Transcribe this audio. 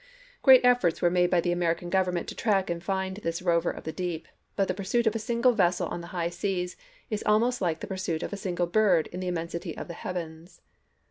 Great efforts were made by the American Gov ernment to track and find this rover of the deep ; but the pursuit of a single vessel on the high seas is almost like the pursuit of a single bu*d in the immensity of the heavens.